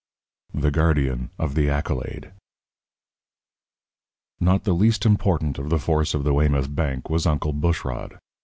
II THE GUARDIAN OF THE ACCOLADE Not the least important of the force of the Weymouth Bank was Uncle Bushrod.